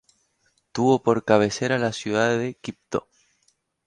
Tuvo por cabecera a la ciudad de Quibdó.